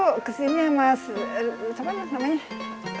lo kesini sama siapa namanya